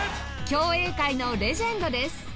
競泳界のレジェンドです